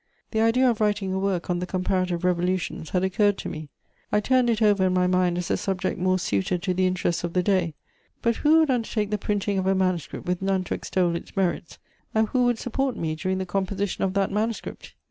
The idea of writing a work on the comparative Revolutions had occurred to me; I turned it over in my mind as a subject more suited to the interests of the day; but who would undertake the printing of a manuscript with none to extol its merits, and who would support me during the composition of that manuscript?